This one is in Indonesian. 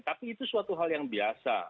tapi itu suatu hal yang biasa